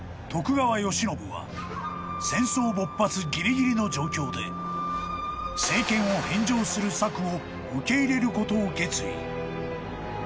徳川慶喜は戦争勃発ぎりぎりの状況で政権を返上する策を受け入れることを決意］